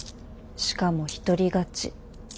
しかも一人勝ち。